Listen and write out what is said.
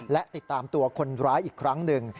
และติดตามตัวคนร้ายอีกครั้งหนึ่ง